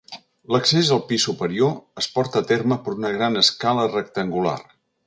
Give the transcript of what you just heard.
L'accés al pis superior es porta a terme per una gran escala rectangular.